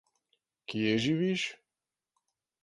Kje živiš?